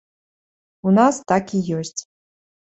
У нас так і ёсць.